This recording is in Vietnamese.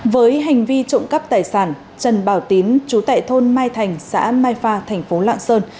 với hành vi trộm cắp tài sản trần bảo tín chú tại thôn mai thành xã mai pha thành phố lạng sơn